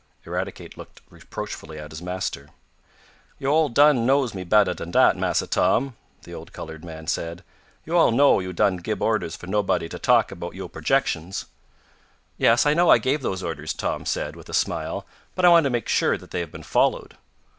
Eradicate looked reproachfully at his master. "Yo' all done knows me bettah dan dat, Massa Tom," the old colored man said. "Yo' all know yo' done gib orders fo' nobody t' talk about yo' projections." "Yes, I know I gave those orders," Tom said, with a smile, "but I want to make sure that they have been followed."